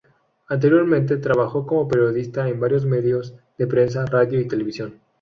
Anteriormente trabajó como periodista en varios medios de prensa, radio y televisión.